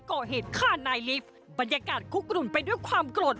ก่อเหตุฆ่านายลิฟต์บรรยากาศคุกกลุ่มไปด้วยความโกรธ